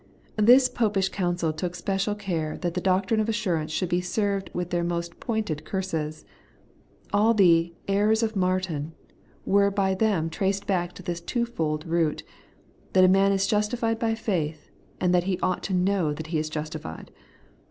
This Popish Council took special care that the doctrine of assurance should be served with their most pointed curses. All the ' errors of Martin ' were by them traced back to this twofold root, that a man is justified by faith, and that he ought to know that he is justified.